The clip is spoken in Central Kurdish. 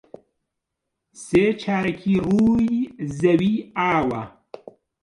سێ چارەکی ڕووی زەوی ئاوە.